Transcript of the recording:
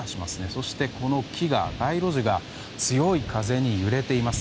そして、街路樹が強い風に揺れています。